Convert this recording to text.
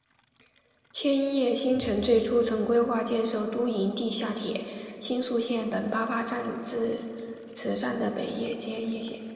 千叶新城最初曾规划建设都营地下铁新宿线本八幡站至此站的北千叶线。